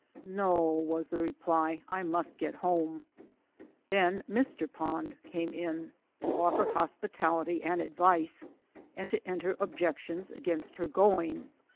"No," was the reply, "I must get home." Then Mr. Pond came in to offer hospitality and advice and to enter objections against her going.